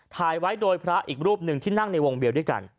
ถ่ายไว้โดยพระอีกรูปหนึ่งที่นั่งในวงเดียวด้วยกัน